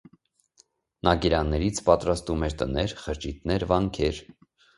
Նա գերաններից պատրաստում էր տներ, խրճիթներ, վանքեր։